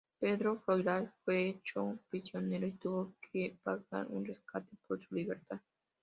Pedro Froilaz fue hecho prisionero y tuvo que pagar un rescate por su libertad.